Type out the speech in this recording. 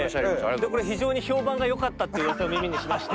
でこれ非常に評判が良かったっていううわさを耳にしまして。